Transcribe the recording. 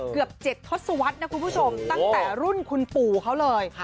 เกือบ๗ทศวรรษนะคุณผู้ชมตั้งแต่รุ่นคุณปู่เขาเลย